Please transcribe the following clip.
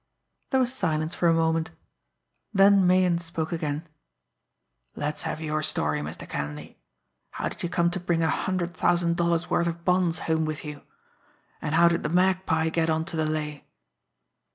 There was silence for a moment. Then Meighan spoke again: "Let's have your story, Mr. Kenleigh. How did you come to bring a hundred thousand dollars' worth of bonds home with you? And how did the Magpie get onto the lay?"